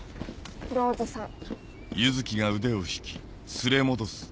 ローズさん。